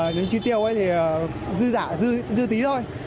nếu truy tiêu thì dư giả dư tí thôi